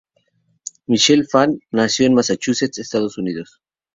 Michelle Phan nació en Massachusetts, Estados Unidos.